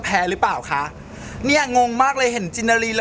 แพ้หรือเปล่าคะเนี่ยงงมากเลยเห็นจินนารีแล้ว